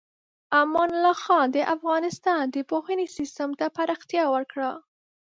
امان الله خان د افغانستان د پوهنې سیستم ته پراختیا ورکړه.